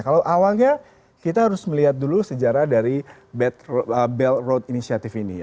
kalau awalnya kita harus melihat dulu sejarah dari belt road initiative ini